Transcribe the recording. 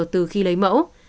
từ khi lấy mẫu